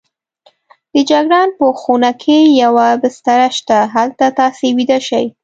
د جګړن په خونه کې یوه بستره شته، هلته تاسې ویده شئ.